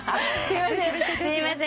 すいません。